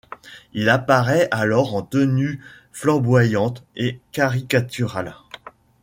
Il apparaît alors en tenue flamboyante et caricaturale.